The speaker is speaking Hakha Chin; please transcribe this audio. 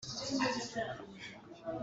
Ka paw a khim tuk i a chikik a chuak.